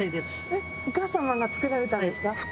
お母様が作られたんですか？